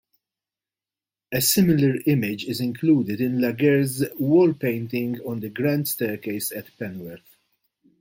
A similar image is included in Laguerre's wall-painting on the Grand Staircase at Petworth.